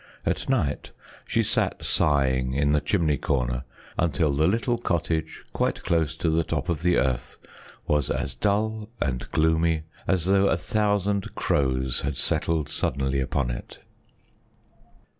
At night she sat sighing in the chimney corner until the little cottage quite close to the top of the earth was as dull and gloomy as though a thousand crows had settled suddenly upon it.